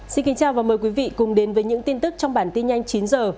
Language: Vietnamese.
xin kính chào và mời quý vị cùng đến với những tin tức trong bản tin nhanh chín h